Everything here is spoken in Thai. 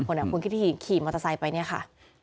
คนแหละคุณคิดที่ขี่มอเตอร์ไซค์ไปเนี่ยค่ะ